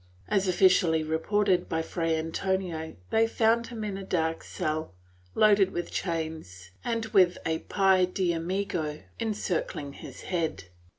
As officially reported by Fray Antonio, they found him in a dark cell, loaded with chains and with a 'pie de amigo encircling his head.